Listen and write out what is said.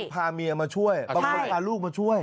พาเมียมาช่วยบางคนพาลูกมาช่วย